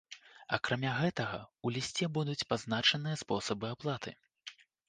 Акрамя гэтага, у лісце будуць пазначаныя спосабы аплаты.